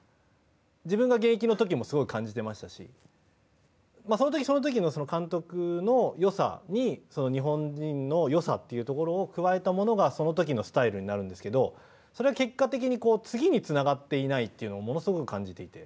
自分が現役のときもすごく感じていましたしそのときそのときの監督のよさに日本人のよさというところを加えたものがそのときのスタイルになるんですけどそれは結果的に次につながっていないというのをものすごく感じていて。